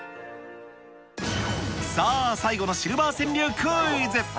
さあ、最後のシルバー川柳クイズ。